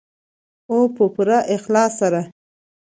او په پوره اخلاص سره.